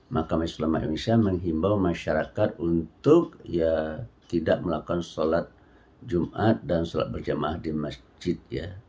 maka majelis ulama indonesia mengimbau masyarakat untuk tidak melakukan sholat jumat dan sholat berjamaah di masjid